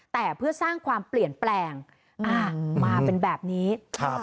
แต่เพื่อสร้างความเปลี่ยนแปลงอ่ามาเป็นแบบนี้ครับ